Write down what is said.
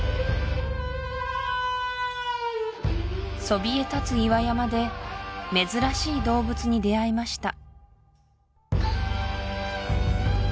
そびえ立つ岩山で珍しい動物に出会いました